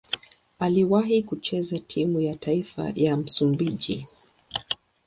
Aliwahi kucheza timu ya taifa ya Msumbiji.